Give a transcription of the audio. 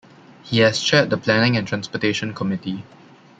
He has chaired the Planning and Transportation Committee.